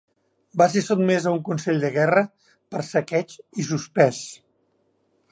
Va ser sotmès a un consell de guerra per saqueig i suspès.